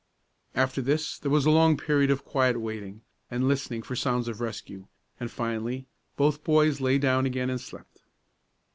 After this there was a long period of quiet waiting, and listening for sounds of rescue, and, finally, both boys lay down again and slept.